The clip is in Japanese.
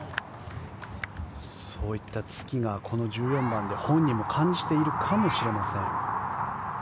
そういったツキをこの１４番で本人も感じているかもしれません。